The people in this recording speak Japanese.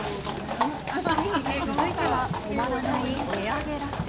続いては止まらない値上げラッシュ。